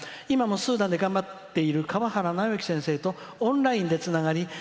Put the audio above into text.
今もスーダンで頑張っている川原尚行先生とオンラインでつながり